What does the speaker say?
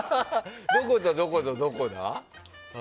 どこと、どこと、どこだ？